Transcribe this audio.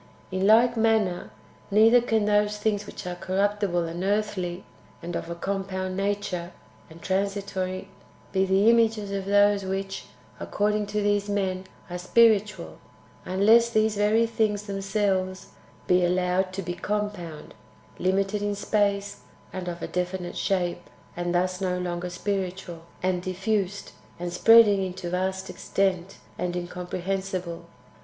In like manner, neither can those things which are corruptible and earthly, and of a com pound nature, and transitory, be the images of those which, according to these men, are spiritual ; unless these very things themselves be allowed to be compound, limited in space, and of a definite shape, and thus no longer spiritual, and diffused, and spreading into vast extent, and incompre 1 Literally, " from HimseK." 140 IRENyEUS AGAINST HEBESIES. [Book ir. hensible.